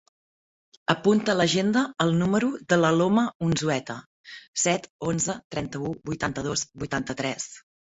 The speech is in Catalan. Apunta a l'agenda el número de l'Aloma Unzueta: set, onze, trenta-u, vuitanta-dos, vuitanta-tres.